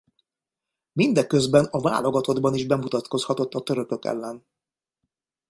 Mindeközben a válogatottban is bemutatkozhatott a Törökök ellen.